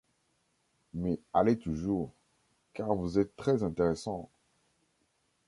Mais allez toujours, car vous êtes très-intéressant.